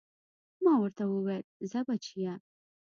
ما ورته وويل ځه بچيه.